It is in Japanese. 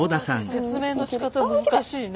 説明のしかた難しいね。